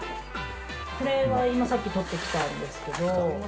これは今さっき取ってきたんですけど。